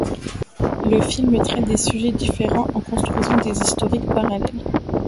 Le film traite des sujets différents en construisant des histoires parallèles.